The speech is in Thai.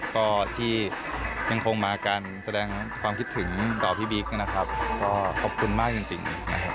ก็ที่ยังคงมากันแสดงความคิดถึงต่อพี่บิ๊กนะครับก็ขอบคุณมากจริงนะครับ